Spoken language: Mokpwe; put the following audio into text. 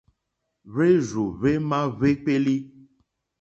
Hwérzù hwémá hwékpélí.